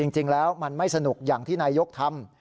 จริงแล้วมันไม่สนุกอย่างที่นายกทำ